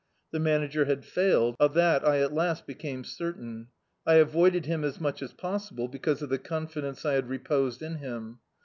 The Manager had failed, of that I at last became certain. I avoided him as much as possible, because of the oxifidenix I had reposed in him.